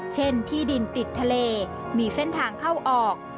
เช่นที่ดินติดทะเลมีเส้นทางเข้าออก